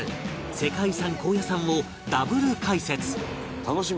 世界遺産高野山をダブル解説楽しみ。